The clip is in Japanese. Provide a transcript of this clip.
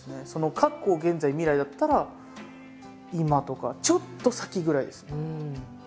「過去」「現在」「未来」だったら「今」とか「ちょっと先」ぐらいです。